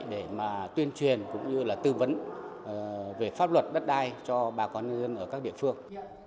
để mà tuyên truyền cũng như là tư vấn về pháp luật đất đai cho bà con nhân dân ở các địa phương